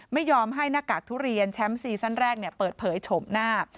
ไม่ยอมให้หน้ากากทุเรียนแชมป์ซีซั่นแรกเปิดเผยโฉมหน้า